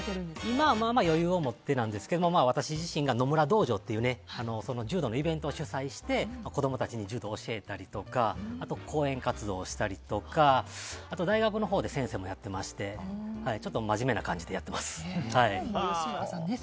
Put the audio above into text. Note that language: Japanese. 今はまあまあ余裕をもってなんですが私自身が野村道場という柔道のイベントを主催して子供たちに柔道を教えたりとか講演活動をしたりとかあと大学のほうで先生もやってましてちょっと真面目な感じでやっています。